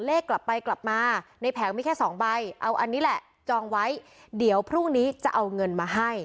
กลับไปกลับมาในแผงมีแค่สองใบเอาอันนี้แหละจองไว้เดี๋ยวพรุ่งนี้จะเอาเงินมาให้